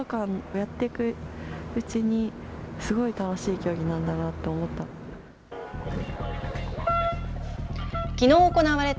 やっていくうちにすごい楽しい競技なんだなと思った。